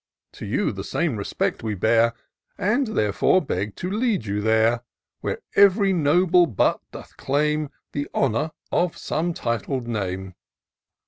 To you the same respect we bear, And therefore beg to lead you there ; Where every noble butt doth claim The honour of somfe titled name."